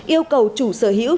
yêu cầu chủ sở hữu